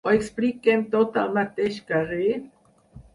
Ho expliquem tot al mateix carrer?